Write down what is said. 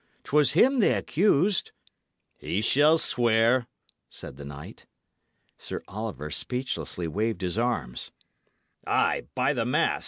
'Twas him they accused." "He shall swear," said the knight. Sir Oliver speechlessly waved his arms. "Ay, by the mass!